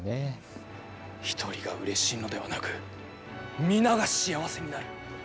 １人がうれしいのではなく皆が幸せになる。